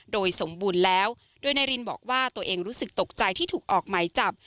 โดยสมบูรณ์แล้วโดยนายรินบอกว่าตัวเองรู้สึกตกใจที่ถูกออกหมายจับ